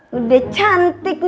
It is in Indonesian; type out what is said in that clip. belanja itu yang tepat bagi